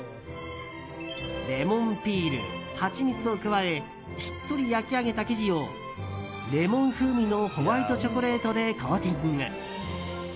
レモンピール、ハチミツを加えしっとり焼き上げた生地をレモン風味のホワイトチョコレートでコーティング。